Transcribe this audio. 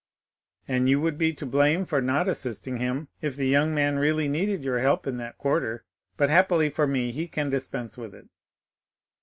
"And you would be to blame for not assisting him, if the young man really needed your help in that quarter, but, happily for me, he can dispense with it."